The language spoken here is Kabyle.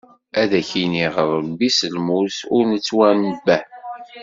Ad k-ineɣ Ṛebbi s lmus ur nettwanebbeh!